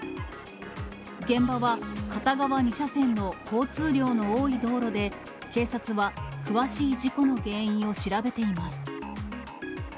現場は、片側２車線の交通量の多い道路で警察は詳しい事故の原因を調べています。